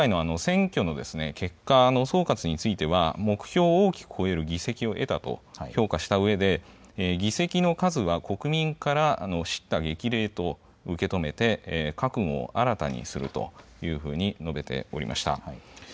今回の選挙の結果の総括については目標を大きく越える議席を得たと評価した上で議席の数は国民からの叱咤激励と受け止めて覚悟を新たにするというふうに述べておりました。